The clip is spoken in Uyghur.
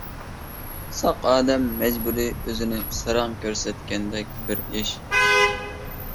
ساق ئادەم مەجبۇرىي ئۇزىنى ساراڭ كۆرسەتكەندەك بىر ئىش.